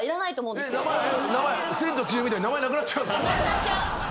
『千と千尋』みたいに名前なくなっちゃうの！？